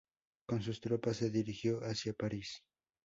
Con sus tropas se dirigió hacia París.